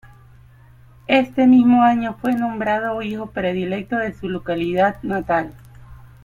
Ese mismo año fue nombrado hijo predilecto de su localidad natal.